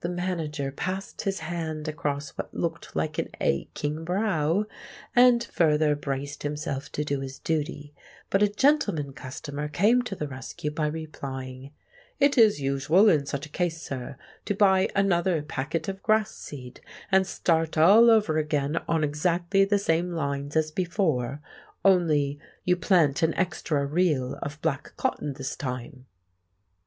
The manager passed his hand across what looked like an aching brow, and further braced himself to do his duty; but a gentleman customer came to the rescue by replying, "It is usual, in such a case, sir, to buy another packet of grass seed, and start all over again on exactly the same lines as before, only you plant an extra reel of black cotton this time."